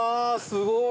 すごい。